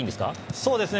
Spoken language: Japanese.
そうですね。